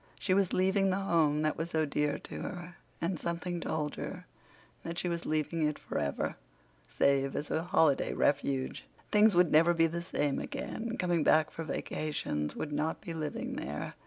She was leaving the home that was so dear to her, and something told her that she was leaving it forever, save as a holiday refuge. Things would never be the same again; coming back for vacations would not be living there.